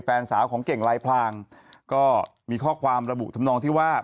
แฟนสาวของเก่งลายพลางก็มีข้อความระบุทำนองที่ว่า